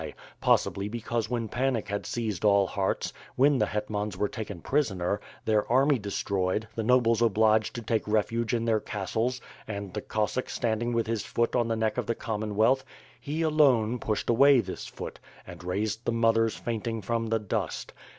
Possibly because when panic had seized all hearts, when the hetmans were taken prisoner, their army destroyed, the nobles obliged to take refuge in their castles, and the Cossack standing with his foot on the neck of the Commonwealth, he alone pushed away this foot and raised the mothers fainting from the dust.